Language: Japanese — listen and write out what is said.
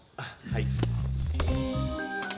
はい。